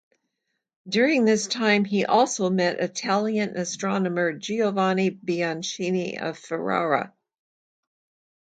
During this time he also met Italian astronomer Giovanni Bianchini of Ferrara.